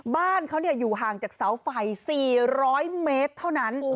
บ้านเขาอยู่ห่างจากเสาไฟ๔๐๐เมตรเท่านั้น